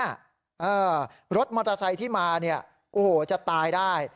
เออรถมอเตอร์ไซค์ที่มาเนี่ยโอ้โหจะตายได้